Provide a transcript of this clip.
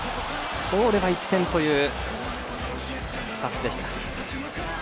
通れば１点というパスでした。